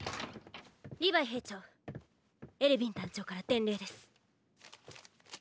リヴァイ兵長エルヴィン団長から伝令です！